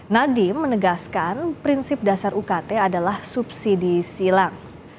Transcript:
nadiem menegaskan prinsip dasar ukt adalah subsidi silang